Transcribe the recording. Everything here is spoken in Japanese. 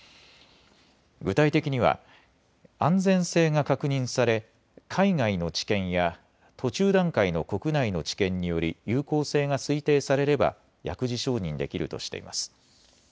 具体的には安全性が確認され海外の治験や途中段階の国内の治験により有効性が推定されれば薬事承認できるとしています。